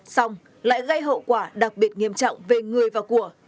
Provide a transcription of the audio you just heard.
xong lại gây hậu quả đặc biệt nghiêm trọng về người và của